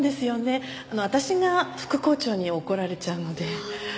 私が副校長に怒られちゃうので。